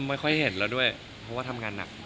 ไม่ค่อยเห็นแล้วด้วยเพราะว่าทำงานหนัก